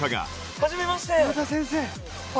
はじめまして！